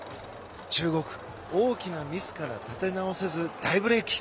中国、大きなミスから立て直せず大ブレーキ。